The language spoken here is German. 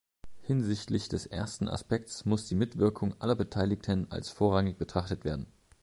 Hinsichtlich des ersten Aspekts muss die Mitwirkung aller Beteiligten als vorrangig betrachtet werden.